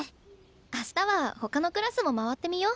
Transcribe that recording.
明日は他のクラスも回ってみよう？